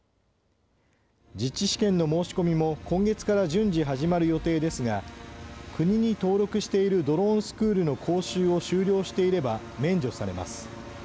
実地試験の申し込みも今月から順次始まる予定ですが、国に登録しているドローンスクールの講習を修了していれば免除されます。